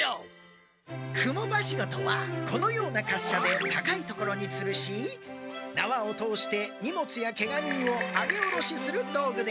蜘蛛梯子とはこのようなかっしゃで高い所につるしなわを通して荷物やケガ人を上げ下ろしする道具である。